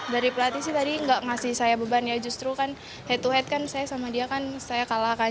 dari pelatih sih tadi nggak ngasih saya beban ya justru kan head to head kan saya sama dia kan saya kalah kan